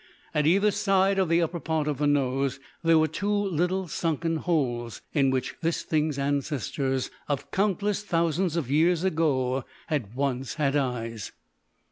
At either side of the upper part of the nose there were two little sunken holes in which this thing's ancestors of countless thousands of years ago had once had eyes.